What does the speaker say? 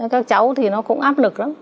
các cháu thì nó cũng áp lực lắm